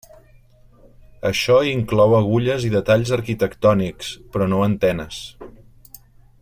Això inclou agulles i detalls arquitectònics, però no antenes.